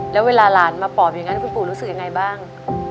แล้วเวลาหลานมาปอบอย่างนั้นคุณปู่รู้สึกยังไงบ้าง